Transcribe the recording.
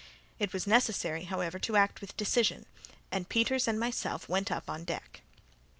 It was necessary, however, to act with decision, and Peters and myself went upon deck.